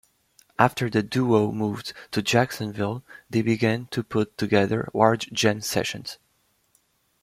After the duo moved to Jacksonville, they began to put together large jam sessions.